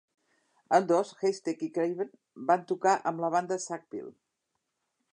Ambdós Heistek i Craven van tocar amb la banda Sackville.